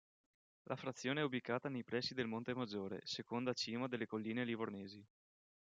La frazione è ubicata nei pressi del Monte Maggiore, seconda cima delle Colline Livornesi.